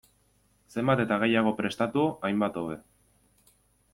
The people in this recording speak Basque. Zenbat eta gehiago prestatu, hainbat hobe.